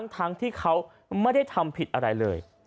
ทั้งที่เขาไม่ได้ทำผิดอะไรเลย